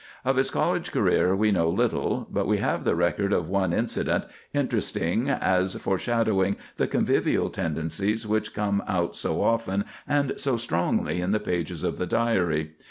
Of his college career we know little; but we have the record of one incident, interesting as foreshadowing the convivial tendencies which come out so often and so strongly in the pages of the Diary.